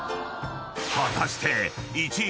［果たして］